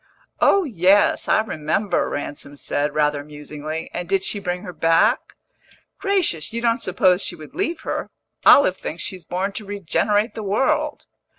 "Oh yes, I remember," Ransom said, rather musingly. "And did she bring her back?" "Gracious, you don't suppose she would leave her! Olive thinks she's born to regenerate the world."